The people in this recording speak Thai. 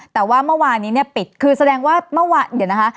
แต่ว่าเมื่อวานนี้เนี่ยปิดคือแสดงว่าเมื่อวานเดี๋ยวนะคะ